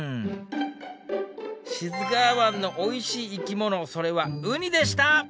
志津川湾のおいしい生き物それはウニでした！